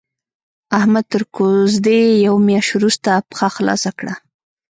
احمد تر کوزدې يوه مياشت روسته پښه خلاصه کړه.